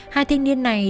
hai thiên nhiên này